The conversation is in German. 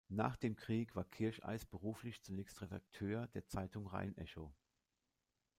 Nach dem Krieg war Kircheis beruflich zunächst Redakteur der Zeitung Rhein-Echo.